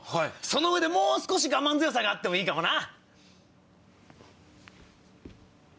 その上でもう少し我慢強さがあってもいいかもな。